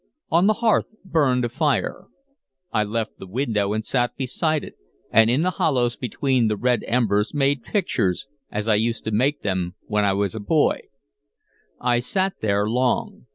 On the hearth burned a fire. I left the window and sat beside it, and in the hollows between the red embers made pictures, as I used to make them when I was a boy. I sat there long.